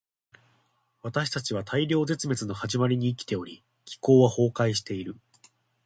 私たちは大量絶滅の始まりに生きており、気候は崩壊している。